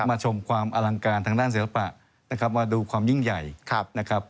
ชมความอลังการทางด้านศิลปะนะครับมาดูความยิ่งใหญ่นะครับ